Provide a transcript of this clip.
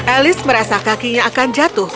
elis merasa kakinya akan jatuh